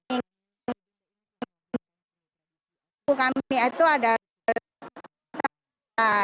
untuk kami itu adalah